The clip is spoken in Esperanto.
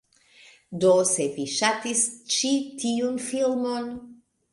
Do, se vi ŝatis ĉi tiun filmon